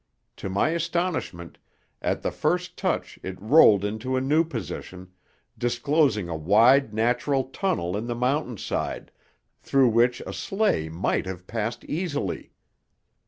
To my astonishment, at the first touch it rolled into a new position, disclosing a wide natural tunnel in the mountainside, through which a sleigh might have passed easily!